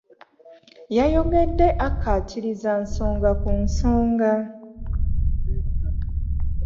Yayogedde akkaatiriza nsonga ku nsonga.